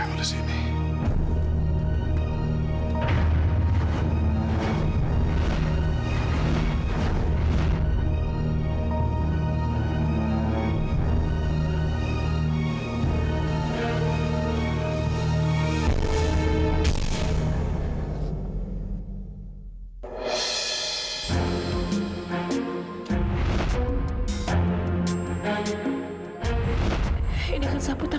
kamu tidak bohong